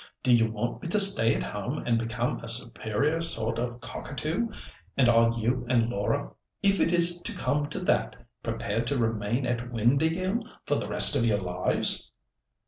Do you want me to stay at home and become a superior sort of 'cockatoo,' and are you and Laura—if it is to come to that—prepared to remain at Windāhgil for the rest of your lives?"